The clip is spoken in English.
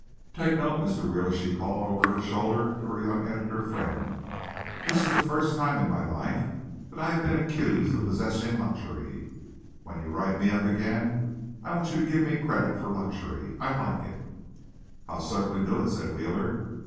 "Take note, Mr. Wheeler," she called, over her shoulder to her young editor friend. "This is the first time in my life that I have been accused of possessing luxury. When you write me up again I want you to give me credit for luxury. I like it." "I'll certainly do it," said Wheeler.